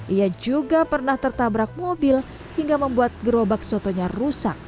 ia juga pernah tertabrak mobil hingga membuat gerobak sotonya rusak